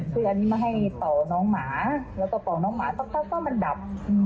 คืออันนี้มาให้เป่าน้องหมาแล้วก็เป่าน้องหมาปั๊บมันดับ